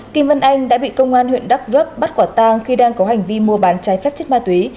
kim văn anh đã bị công an huyện đắk rớp bắt quả tang khi đang có hành vi mua bán cháy phép chất ma túy